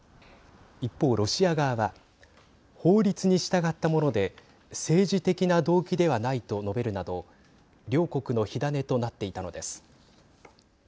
一方、ロシア側は法律に従ったもので政治的な動機ではないと述べるなど両国の火種となっていたのです。